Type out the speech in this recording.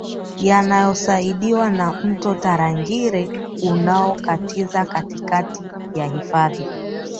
yanayosaidiwa na Mto Tarangire unaokatiza katikati ya hifadhi